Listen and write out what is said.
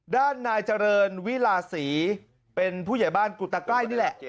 ด้านนายเจริญวิลาศรีเป็นผู้ใหญ่บ้านกุตไกร้นี่แหละ